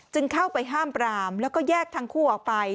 เข้าไปห้ามปรามแล้วก็แยกทั้งคู่ออกไป